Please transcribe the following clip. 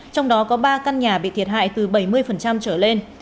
trong đó có ba căn nhà bị thiệt hại từ bảy mươi trở lên